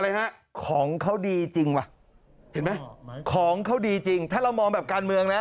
อะไรฮะของเขาดีจริงว่ะเห็นไหมของเขาดีจริงถ้าเรามองแบบการเมืองนะ